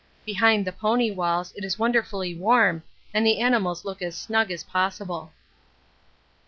Behind the pony walls it is wonderfully warm and the animals look as snug as possible.